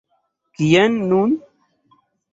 Kien nun.